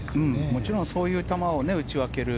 もちろんそういう球を打ち分ける